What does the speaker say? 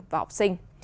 và học sinh